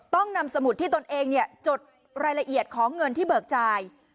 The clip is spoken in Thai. ต้องนำสมุดที่ตนเองจดรายละเอียดของเงินที่เบิกจ่าย